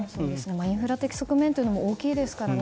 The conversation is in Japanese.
インフラ的側面というのも大きいですからね。